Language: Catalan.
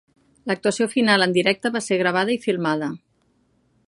L'actuació final en directe va ser gravada i filmada.